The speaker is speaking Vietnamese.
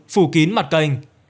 phủ kín mặt kênh